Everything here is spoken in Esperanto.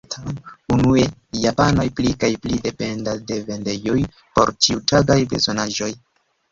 Unue, japanoj pli kaj pli dependas de vendejoj por ĉiutagaj bezonaĵoj.